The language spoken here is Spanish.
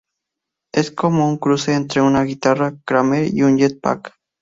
Es como un cruce entre una guitarra Kramer y un jet pack".